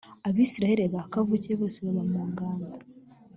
abisirayeli ba kavukire bose baba mu ngando.